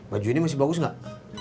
baju ini masih bagus nggak